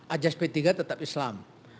ajas p tiga tetap islam